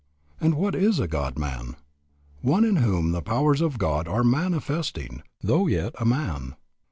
And what is a God man? One in whom the powers of God are manifesting, though yet a man.